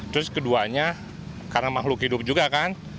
terus keduanya karena makhluk hidup juga kan